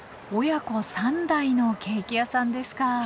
親子３代のケーキ屋さんですか。